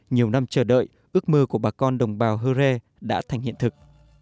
nhiều năm chờ đợi ước mơ của bà con đồng bào hơ rê đã thành hiện thực